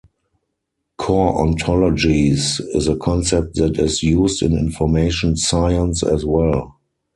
Core ontologies is a concept that is used in information science as well.